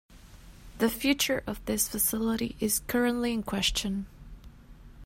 The future of this facility is currently in question.